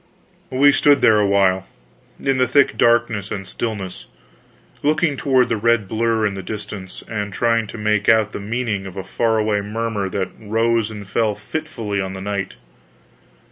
We stood there awhile, in the thick darkness and stillness, looking toward the red blur in the distance, and trying to make out the meaning of a far away murmur that rose and fell fitfully on the night.